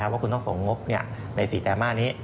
ว่าคุณต้องส่งงบใน๔ไตรมาสนี้